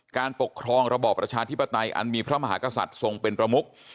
การปกครองระบอบประชาธิปไตยอันมีพระมหากษัตริย์ทรงเป็นประมุก